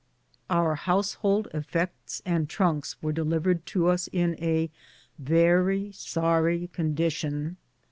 Our household effects and trunks were delivered to us in a very sorry condition.